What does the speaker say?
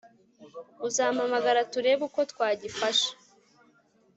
uzampamagara turebe uko twagifasha